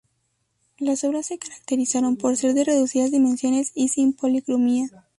Las obras se caracterizaron por ser de reducidas dimensiones y sin policromía.